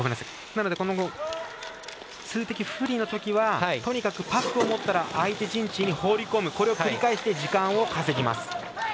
数的不利のときはとにかくパックを持ったら相手陣地に放り込むこれを繰り返して時間を稼ぎます。